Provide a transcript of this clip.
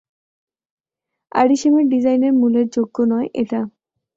আরিশেমের ডিজাইনের মূল্যের যোগ্য নয় এটা।